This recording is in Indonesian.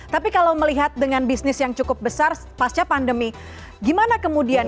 tapi kalau melihat dengan bisnis yang cukup besar pasca pandemi gimana kemudian